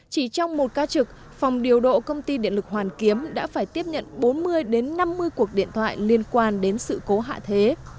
chỉ trong một ca trực phòng điều độ công ty điện lực hoàn kiếm đã phải tiếp nhận bốn mươi năm mươi cuộc điện thoại liên quan đến sự cố hạ thế